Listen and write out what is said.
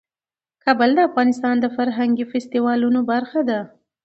کابل د افغانستان د فرهنګي فستیوالونو برخه ده.